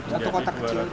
satu kotak kecil